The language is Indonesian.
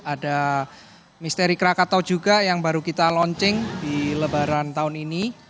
ada misteri krakatau juga yang baru kita launching di lebaran tahun ini